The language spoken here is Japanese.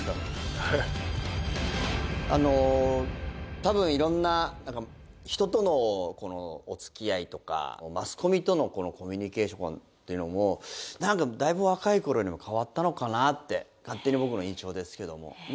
多分いろんな、人とのお付き合いとかマスコミとのコミュニケーションというのも、だいぶ若いころよりも変わったのかなって、勝手に僕の印象ですけど。